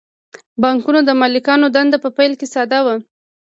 د بانکونو د مالکانو دنده په پیل کې ساده وه